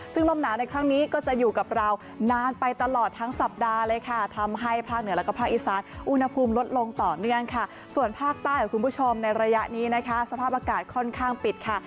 ซึ่งลมหนาวในครั้งนี้ก็จะอยู่กับเรานานไปตลอดทั้งสัปดาห์เลยค่ะทำให้ภาคเหนือแล้วก็ภาคอีสานอุณหภูมิลดลงต่อเนื่องค่ะส่วนภาคใต้กับคุณผู้ชมในระยะนี้นะคะสภาพอากาศค่อนข้างปิดค่ะ